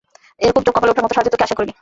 এরকম চোখ কপালে উঠার মতো সাঁজে তোকে আশা করিনি!